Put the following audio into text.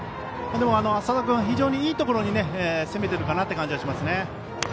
麻田君は非常にいいところに攻めているかなという感じがしますね。